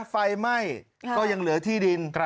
ไฟไหม้ก็ยังเหลือที่ดิน